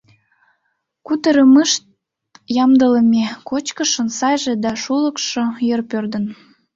Кутырымышт ямдылыме кочкышын сайже да шукылыкшо йыр пӧрдын.